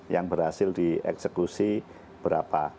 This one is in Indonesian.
yang berhasil dieksekusi berapa